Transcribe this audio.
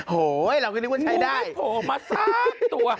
โหเราก็คิดนึกว่าใช่ได้นูโทมัทซากตัว